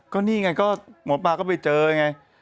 ก็บางมากหมดไปเธอยังไง